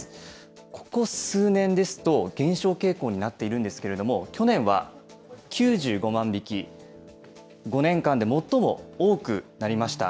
ここ数年ですと、減少傾向になっているんですけども、去年は９５万匹、５年間で最も多くなりました。